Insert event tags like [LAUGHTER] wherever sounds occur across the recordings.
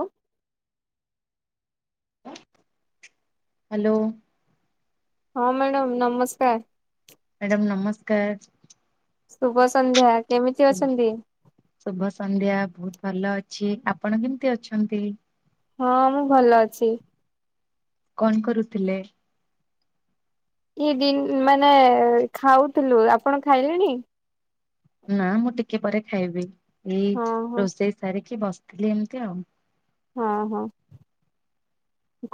ଉଁ ଉଁ ହ୍ୟାଲୋ ହଁ ମ୍ୟାଡ଼ାମ ନମସ୍କାର। ମ୍ୟାଡ଼ାମ ନମସ୍କାର। ଶୁଭ ସନ୍ଧ୍ୟା କେମିତି ଶୁ ଅଛନ୍ତି? ଶୁଭ ସନ୍ଧ୍ୟା, ବହୁତ୍ ଭଲ ଅଛି, ଆପଣ କେମିତି ଅଛନ୍ତି? ହଁ, ମୁଁ ଭଲ ଅଛି। କଣ କରୁଥିଲେ? ଇଏ ଦିନ୍, ମାନେ ଖାଉଥିଲୁ ଆପଣ ଖାଇଲେଣି? ନା ମୁଁ ଟିକେ ପରେ ଖାଇବି ଏଇ ହଁ ହଁ ରୋଷେଇ ସାରିକି ବସିଥିଲି ଏମିତି ଆଉ। ହଁ ହଁ,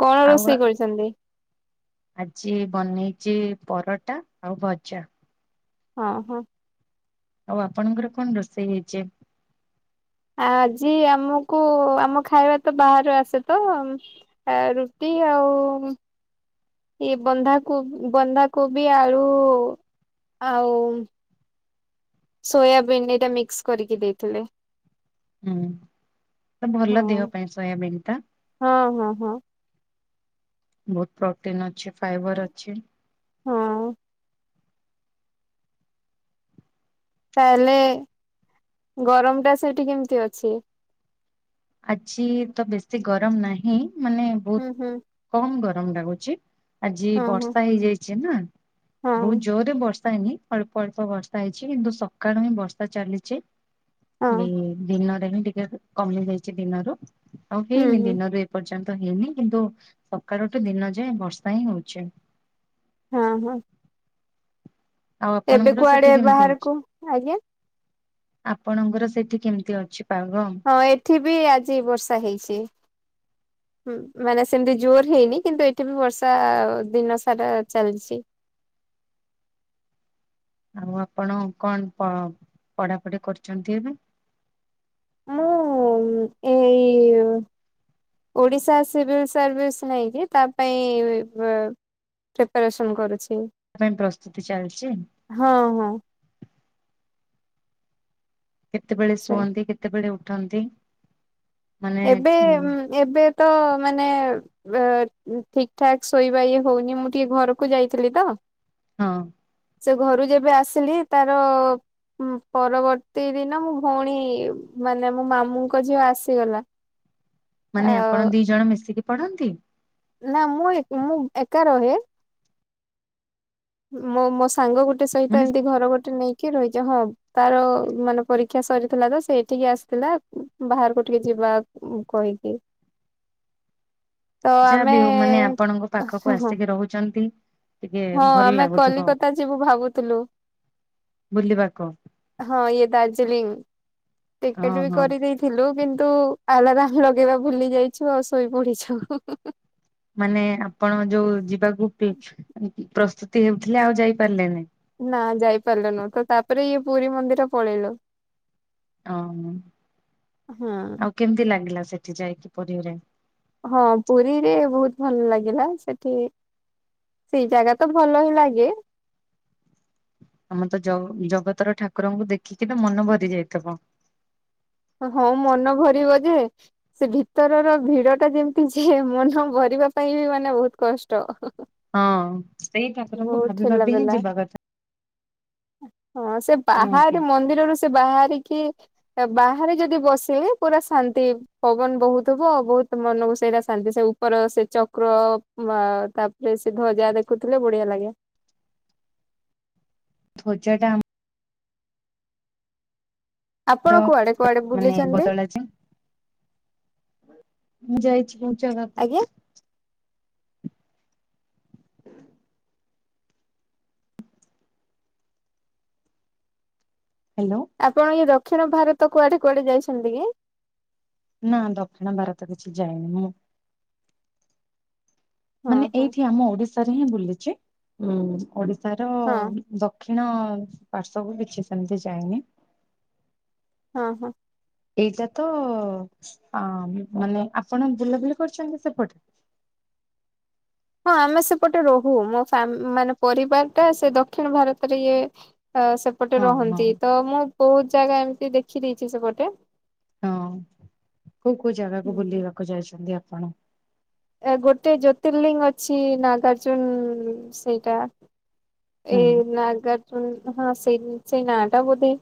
କଣ ଆଉ ରୋଷେଇ କରିଚନ୍ତି? ଆଜି ବନେଇଚି ପରଟା ଆଉ ଭଜା। ହଁ ହଁ। ଆଉ ଆପଣଙ୍କର କଣ ରୋଷେଇ ହେଇଚି? ଆଜି ଆମୁକୁ ଆମ ଖାଇବା ତ ବାହାରୁ ଆସେ ତ ଆ ରୁଟି ଆଉ ଇଏ ବନ୍ଧାକୋ, ବନ୍ଧାକୋବି ଆଳୁ ଆଉ ସୋୟାବିନ୍ ଏଇଟା ମିକ୍ସ କରିକି ଦେଇଥିଲେ। ହୁଁ, ତ ହଁ ଭଲ ଦେହ ପାଇଁ ସୋୟାବିନ ଟା। ହଁ ହଁ ହଁ। ବୋହୁତ୍ ପ୍ରୋଟିନ୍ ଅଛି ଫାଇବର ଅଛି। ହଁ। ତାହେଲେ ଗରମ ଟା ସେଇଠି କେମିତି ଅଛି? ଆଜି ତ ବେଶୀ ଗରମ ନାହିଁ ମାନେ ହୁଁ ହୁଁ। କମ୍ ଗରମ ଲାଗୁଚି। ଆଜି ହଁ ହଁ ବର୍ଷା ହେଇଯାଇଚି ନା ହଁ ବହୁତ୍ ଜୋରେ ବ ବର୍ଷା ହେଇନି ଅଳ୍ପ ଅଳ୍ପ ବର୍ଷା ହେଇଚି କିନ୍ତୁ ସକାଳୁ ହିଁ ବର୍ଷା ଚାଲିଚି। ହୁଁ, ହଁ ଦିନରେ ହିଁ ଟିକେ କମି ଯାଇଚି ଦିନରୁ ଆଉ ହୁଁ ହେଇନି ହୁଁ ଦିନରେ। ପର୍ଯ୍ୟନ୍ତ ହେଇନି କିନ୍ତୁ ସକାଳଠୁ ଦିନ ଯାଏ ବର୍ଷା ହିଁ ହଉଚି। ହଁ ହଁ। ଆଉ ଏବେ ଆପଣଙ୍କର କୁଆଡେ ସେଠି କେମିତି ବାହାରକୁ ଅଛି? ଆଜ୍ଞା ଆପଣଙ୍କର ସେଠି କେମିତି ଅଛି ପାଗ? ହଁ, ଏଠି ବି ଆଜି ବର୍ଷା ହେଇଚି। ହୁଁ, ମାନେ ସେମିତି ଜୋର ହେଇନି କିନ୍ତୁ ଏଠି ବି ବର୍ଷା ଦିନ ସାରା ଚାଲିଚି। ଆଉ ଆପଣ କଣ ପ ପଢାପଢି କରୁଚନ୍ତି ଏବେ? ମୁଁ ଏଇ ଓଡିଶା ଆସିବି ସର୍ଭିସ୍ ନେଇକି ତା ପାଇଁ ବ ପ୍ରିପାରେସନ୍ କରୁଚି। ତା ପାଇଁ ପ୍ରସ୍ତୁତି ଚାଲିଚି? ହଁ ହଁ। କେତେବେଳେ ସେ ଶୁଅନ୍ତି? କେତେବେଳେ ଉଠନ୍ତି? ମାନେ ଏବେ, ଉଁ ଏବେ ତ ମାନେ ଠିକ୍ ଠାକ୍ ଶୋଇବା ଇଏ ହଉନି। ମୁଁ ଟିକେ ଘରୁକୁ ଯାଇଥିଲି ତ। ହଁ। ସେ ଘରୁ ଯେବେ ଆସିଲି ତାର ଉଁ, ପରବର୍ତ୍ତୀ ଦିନ ମୁଁ ଭଉଣୀ ମାନେ ମୋ ମାମୁଁଙ୍କ ଝିଅ ଆସିଗଲା। ମାନେ ଆପଣ ଆଉ ଦି ଜଣ ମିଶିକି ପଢନ୍ତି? ନା ମୁଁ, ମୁଁ ଏକା ରହେ। ମୋ ମୋ ସାଙ୍ଗ ଗୋଟେ ମାନେ ସହିତ ଏମିତି ଘର ଗୋଟେ ନେଇକି ରହିଜା। ହଁ। ତାର ମାନେ ପରୀକ୍ଷା ସରିଥିଲା ତ, ସେଏଠିକି ଆସିଥିଲା ବାହାରକୁ ଟିକେ ଯିବା କହିକି। ତ ଆମେ-ଏଁ ହ, ହଁ। ରହୁଚନ୍ତି। ହଁ, ଆମେ କଲିକତା ଯିବୁ ଭାବୁଥୁଲୁ। ବୁଲିବାକୁ ହଁ, ଇଏ ଦାର୍ଜିଲିଂ ଟିକେଟ୍ ବି ଓହୋ କରିଦେଇ ଥିଲୁ କିନ୍ତୁ, ଆଲାରାମ୍ ଲଗେଇବା ଭୁଲି ଯାଇଛୁ, ଆଉ ଶୋଇ ପଡିଛୁ। [UNINTELLIGIBLE] ମାନେ ଆପଣ ଯୋଉ ଯିବାକୁ ପି-ପ୍ରସ୍ତୁତି ହେଉଥିଲେ ଆଉ ଯାଇପାରିଲେନିଁ? ନା ଯାଇପାରିଲୁନୁ। ତ ତା'ପରେ ଇଏ ପୁରୀ ମନ୍ଦିର ପଳେଇଲୁ। ଅଁ ମ୍ ହଁ। ଆଉ କେମିତି ଲାଗିଲା ସେଠି ଯାଇକି ପୁରୀରେ? ହଁ, ପୁରୀରେ ବହୁତ ଭଲ ଲାଗିଲା। ସେଠି ସେଇ ଜାଗା ତ ଭଲ ହିଁ ଲାଗେ। ଆମ ତ ଜ-ଜଗତର ଠାକୁରଙ୍କୁ ଦେଖିକି ନା ମନ ଭରି ଯାଇଥିବ। ହଁ, ମନ ଭରିବ ଯେ ସେ ଭିତରର ଭିଡ ଟା ଯେମତି ଯେ, ମନ ଭରିବା ପାଇଁ ବି ମାନେ ବହୁତ କଷ୍ଟ। ହଁ, ସେଇ ଠାକୁରଙ୍କୁ ବହୁତ ଭାବି ଠେଲା ଭାବି ହିଁ ପେଲା ଯିବା କଥା। ହଁ, ସେ ନୁହଁ କି ବାହାରେ ମନ୍ଦିରରୁ ସେ ବାହାରିକି ବାହାରେ ଯଦି ବସିଲେ ପୁରା ଶାନ୍ତି। ପବନ ବହୁଥିବ, ବହୁତ ମନକୁ ସେଇଟା ଶାନ୍ତି ସେ ଉପର ସେ ଚକ୍ର ବା, ତାପରେ ସେ ଧ୍ୱଜା ଦେଖୁଥିଲେ ବଢିଆ ଲାଗେ। ଧ୍ୱଜା ଟା ଆମ୍ ଆପଣ ର କୁଆଡେ କୁଆଡେ ମାନେ ବୁଲିଛନ୍ତି ବଦଳାଯାଏ। ମୁଁ ଯାଇଛି ଧ୍ୱଜା ଆଜ୍ଞା? [UNINTELLIGIBLE] ହ୍ୟାଲୋଁ! ଆପଣ ଏ ଦକ୍ଷିଣ ଭାରତ କୁଆଡେ କୁଆଡେ ଯାଇଛନ୍ତି କି? ନା, ଦକ୍ଷିଣ ଭାରତ କିଛି ଯାଇନି ମୁଁ। ହଁ ମାନେ ହଁ ଏଇଠି ଆମ ଓଡିଶାରେ ହିଁ ବୁଲିଚି। ଉଁ ଓଡିଶାର ହଁ ଦ କ୍ଷିଣ-ଅ ପାର୍ଶ୍ବକୁ କିଛି ସେମିତି ଯାଇନି। ହଁ, ହଁ। ଏଇଟା ତ ଆ ମାନେ ଆପଣ ବୁଲାବୁଲି କରିଛନ୍ତି ସେପଟେ? ହଁ ଆମେ ସେପଟେ ରହୁ। ମୋ ଫ୍ୟାମ୍ ମାନେ ପରିବାର ଟା ସେ ଦକ୍ଷିଣ ଭାରତରେ ଇଏ ଏ ସେପଟେ ହଁ ହଁ ରହନ୍ତି ତ, ମୁଁ ବହୁତ ଜାଗା ଏମିତି ଦେଖିଦେଇଛି ସେପଟେ। ହଁ, କୋଉ କୋଉ ଜାଗାକୁ ହୁଁ। ବୁଲିବାକୁ ଯାଇଛନ୍ତି ଆପଣ? ଏ ଗୋଟେ ଜ୍ୟୋତିର୍ଲିଙ୍ଗ୍ ଅଛି ନାଗାର୍ଜୁନ୍-ଉଁ ସେଇଟା। ହୁଁ ଏ ନାଗାର୍ଜୁନ୍ ହଁ, ସେଇ ସେଇ ନାଁ ଟା ବୋଧେ!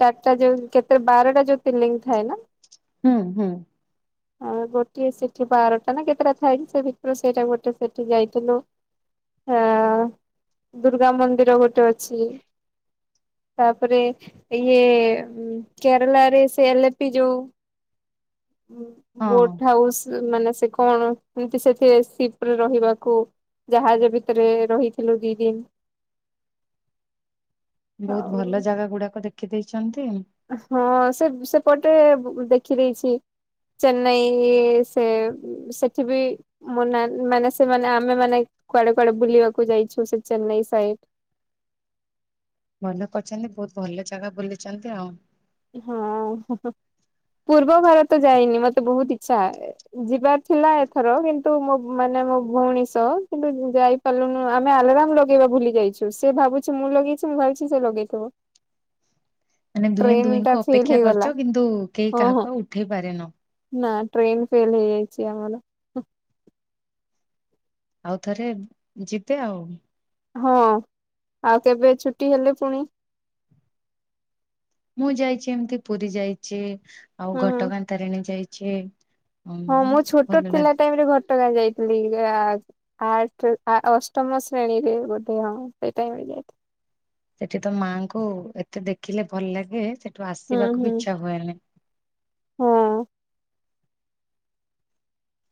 ଚାରିଟା ଯୋଉ କେତେ ବାରଟା ଜ୍ୟୋତିର୍ଲିଙ୍ଗ୍ ଥାଏ ନା? ହୁଁ, ହୁଁ। [INAUDIBLE] ଆଉ ଗୋଟିଏ ସେଠି ବାରଟା ନା କେତେଟା ଥାଏକି, ସେଟା ଭିତରୁ ସେଇଟା ଗୋଟେ ସେଠି ଯାଇଥିଲୁ। ହାଁ, ଦୁର୍ଗା ମନ୍ଦିର ଗୋଟେ ଅଛି। ତାପରେ ଏଇ କେରଲା ରେ ସେ ଏଲ୍ ଏପି ଯୋଉ ହଁ। ବୋଟ଼ ହାଉସ୍ ମାନେ ସେ କଣ ଏମତି ସେଥିରେ ସିପ୍ ରେ ରହିବାକୁ ଜାହାଜ ଭିତରେ ରହିଥିଲୁ ଦି ଦିନ୍। ବହୁତ ଭଲ ଜାଗା ଗୁଡାକ ଦେଖିଦେଇଛନ୍ତି। ହଁ, ସେ -ସେପଟେ ଦେଖି ଦେଇଛି। ଚେନ୍ନାଇ ସେ ସେଠି ବି ମୋ ନାନି ମାନେ ସେମାନେ ଆମେ ମାନେ କୁଆଡେ କୁଆଡେ ବୁଲିବାକୁ ଯାଇଛୁ ସେ ଚେନ୍ନାଇ ସାଇଡ଼ ମତେ ପଚାରିଲେ ବହୁତ ଭଲ ଜାଗା ବୁଲିଛନ୍ତି ଆଉ। ହଁ ହଁହଁ ପୂର୍ବ ଭାରତ ଯାଇନି ମତେ ବହୁତ ଇଚ୍ଛା ଯିବାକୁ। ଥିଲା ଏଥର କିନ୍ତୁ ମୁଁ ମାନେ ମୋ ଭଉଣୀ ସହ କିନ୍ତୁ ଯାଇପାରିଲୁନୁ ଆମେ ଆଲାରାମ୍ ଲଗେଇବା ଭୁଲି ଯାଇଛୁ। ସେ ଭାବୁଛି ମୁଁ ଲଗେଇଛି, ମୁଁ ଭାବିଛି ସେ ଲଗେଇଥିବ। ମାନେ ଦୁହେଁ ଟ୍ରେନ ଟା ଦୁହିଁଙ୍କୁ ଫେଲ ଅପେକ୍ଷା ହେଇଗଲା କରିଚ କିନ୍ତୁ କେହି ହଁ ହଁ କାହାକୁ ଆଉ ଉଠେଇ ପାରିନ। ନା ଟ୍ରେନ ଫେଲ୍ ହେଇଯାଇଛି ଆମର ଆଉ ଥରେ ଯିବେ ଆଉ ହଁ ଆଉ କେବେ ଛୁଟି ହେଲେ ପୁଣି ମୁଁ ଯାଇଛି, ଏମିତି ପୁରୀ ଯାଇଛି, ଆଉ ହୁଁ ହୁଁ ଘଟଗାଁ ତାରିଣୀ ଯାଇଛି। ଉଁ ହଁ ମୁଁ ଛୋଟ ଭଲ ଥିଲା ଲାଗେ ଟାଇମ ରେ ଘଟଗାଁ ଯାଇଥିଲି। ୟାର ଆଠ ଅଷ୍ଟମ ଶ୍ରେଣୀରେ ବୋଧେ ହଁ ସେଇଟାଇମରେ ଯାଇଥିଲି। ଏଠି ତ ମାଙ୍କୁ ଏତେ ଦେଖିଲେ ଭଲ ଲାଗେ, ସେଠୁ ଆସିବାକୁ ବି ଇଚ୍ଛା ହୁଏନି। ହଁ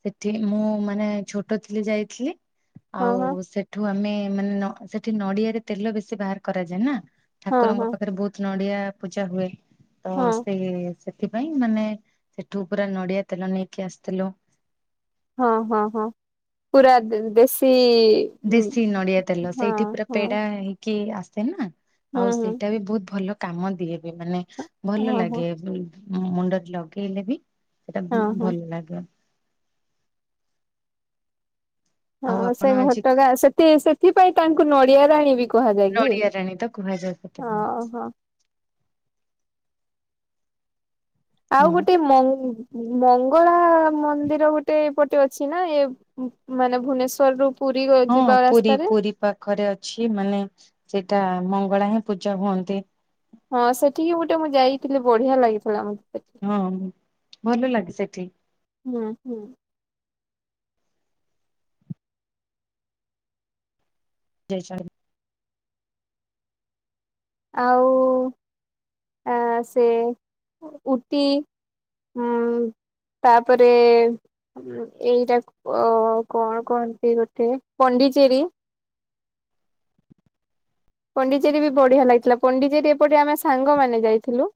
ସେଠି ମୁଁ ମାନେ ଛୋଟ ଥିଲି ଯାଇଥିଲି ହଁ ଆଉ ହଁ ସେ ଠୁ ଆମେ ମାନେ ସେଠି ନଡ଼ିଆ ରୁ ତେଲ ବେଶୀ ବାହାର କରାଯାଏ ନା ହଁ ହଁ ହଁ ଠାକୁରଙ୍କ ପାଖରେ ବହୁତ ନଡ଼ିଆ ପୂଜା ହୁଏ ତ ହଁ ସିଏ ସେ ଥିପାଇଁ ମାନେ ସେଠୁ ପୁରା ନଡ଼ିଆ ତେଲ ନେଇକି ଆସିଥିଲୁ। ହଁ ହଁ ହଁ ପୁରା ଦେଶୀ ଦେଶୀ ନଡିଆ ତେଲ ହଁ ସେଇଠି ପୁରା ହଁ ପେଡା ହେଇକି ଆସେ ନା? ହୁଁ ଆଉ ହୁଁ ସେଇଟା ବି ବହୁତ ଭଲ କାମଦିଏ ବି ମାନେ ହଁ ଭଲ ହଁ ଲାଗେ। ମୁଣ୍ଡରେ ଲଗେଇଲେ ବି ସେଇଟା ହଁ ଭଲ ଲାଗିବ। ଆଉ ହଁ ଆପଣ ସେ ଆଜି ଘଟଗାଁ ସେଥି ସେଥିପାଇଁ ତାଙ୍କୁ ନଡିଆ ରାଣୀ ବି କୁହାଯାଏ କି? ନଡିଆ ରାଣୀ ତ କୁହାଯାଏ ସେଥିପାଇଁ। ହଁ ହଁ ଆଉ ହୁଁ। ଗୋଟେ ମହୁ, ମଙ୍ଗଳା ମନ୍ଦିର ଗୋଟେ ଏପଟେ ଅଛି ନାଁ ଏ ମାନେ ଭୁବନେଶ୍ଵର ରୁ ପୁରୀ ଗ ଯିବା ରାସ୍ତାରେ ଘରେ ଅଛି ମାନେ ସେଇଟା ମଙ୍ଗଳା ହିଁ ପୂଜା ହୁଅନ୍ତି। ହଁ ସେଠିକି ଗୋଟେ ମୁଁ ଯାଇଥିଲି ବଢିଆ ଲାଗିଥିଲା ମତେ। ହଁ ଭଲ ଲାଗେ ସେଠି। ହୁଁ ହୁଁ ଯାଇଛନ୍ତି। ଆଉ ଆଁ ସେ ଉଟି ହଁ ତାପରେ ଏଇଟା କୁ କଁ କଣ କହନ୍ତି ଗୋଟେ ପଣ୍ଡିଚେରୀ ପଣ୍ଡିଚେରୀ ବି ବଢିଆ ଲାଗିଥିଲା। ପଣ୍ଡିଚେରୀ ଏପଟେ ଆମେ ସାଙ୍ଗମାନେ ଯାଇଥିଲୁ।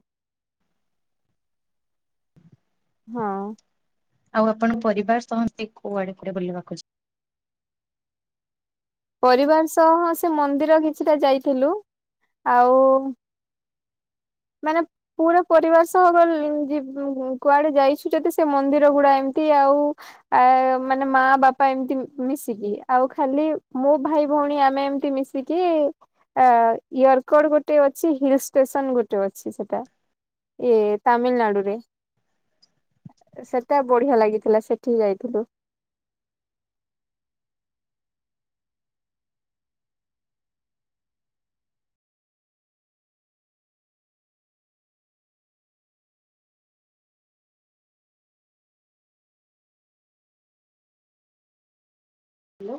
ହଁ ଆଉ ଆପଣ ପରିବାର ସମସ୍ତେ କୁଆଡେ କୁଆଡେ ବୁଲିବାକୁ ଯାଆନ୍ତି। ପରିବାର ସହ ସେ ମନ୍ଦିର କିଛିଟା ଯାଇଥିଲୁ ଆଉ। ମାନେ ପୁରା ପରିବାର ସହ ଏନ ତି ଯିବୁ କୁଆଡେ ଯାଇଛୁ ଯଦି ସେ ମନ୍ଦିର ଗୁଡା ଏମିତି ଆଉ ଆଁ ମାନେ ମା ବାପା ଏମତି ମିଶିକି ଆଉ ଖାଲି ମୁଁ ଭାଇ ଭଉଣୀ ଆମେ ଏମତି ମିଶିକି ମିଶିକି ଆଁ ୟରକଡ଼ ଗୋଟେ ଅଛି ହିଲ୍ ଷ୍ଟେସନ ଗୋଟେ ଯଉ ଅଛି ସେଇଟା ଏଇ ତାମିଲନାଡୁ ରେ। ସେଟା ବଢିଆ ଲାଗିଥିଲା ସେଠି ଯାଇଥିଲୁ। ହେଲୋ।